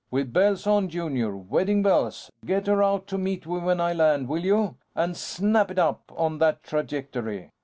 "With bells on, Junior. Wedding bells! Get her out to meet me when I land, will you? And snap it up on that trajectory."